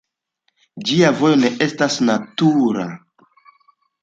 Ĝia vojo ne estas natura.